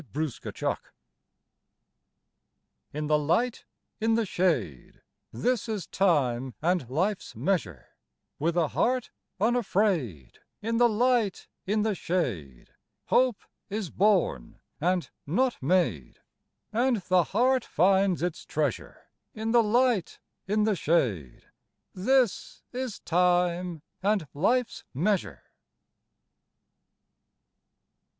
TRIOLET IN the light, in the shade, This is Time and Life's measure; With a heart unafraid, In the light, in the shade, Hope is born and not made, And the heart finds its treasure In the light, in the shade— This is Time and Life's measure.